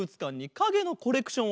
かげのコレクション？